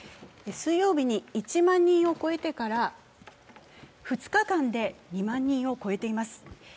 水曜日に１万人を超えてから２日間で２万人を超えています。